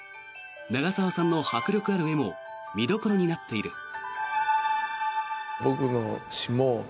長沢さんの迫力ある絵も見どころになっている。